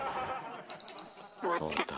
終わった。